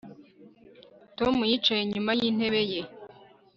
Tom yicaye inyuma yintebe ye